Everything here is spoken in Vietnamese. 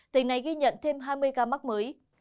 tỉnh này ghi nhận thêm hai mươi ca mắc mới